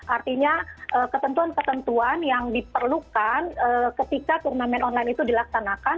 artinya ketentuan ketentuan yang diperlukan ketika turnamen online itu dilaksanakan